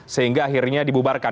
sehingga akhirnya dibubarkan